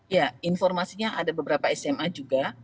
ya informasinya ada beberapa sma juga